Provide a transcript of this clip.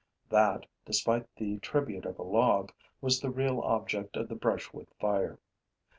That, despite the tribute of a log, was the real object of the brushwood fire.